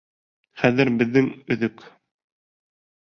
Хәҙер беҙҙең өҙөк!